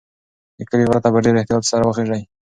د کلي غره ته په ډېر احتیاط سره وخیژئ.